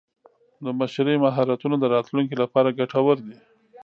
د مشرۍ مهارتونه د راتلونکي لپاره ګټور دي.